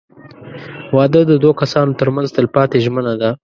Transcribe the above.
• واده د دوه کسانو تر منځ تلپاتې ژمنه ده.